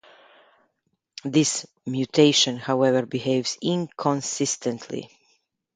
This mutation, however, behaves inconsistently.